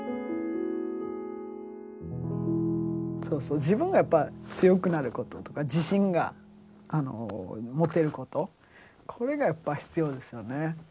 そうそう自分がやっぱ強くなることとか自信が持てることこれがやっぱ必要ですよね。